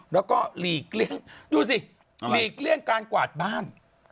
แล้วก็หลีกเลี่ยงดูสิหลีกเลี่ยงการกวาดบ้าน